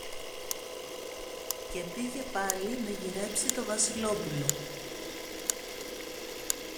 Και πήγε πάλι να γυρέψει το Βασιλόπουλο.